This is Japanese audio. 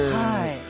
はい。